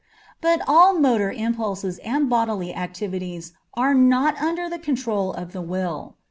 But all motor impulses and bodily activities are not under the control of the will.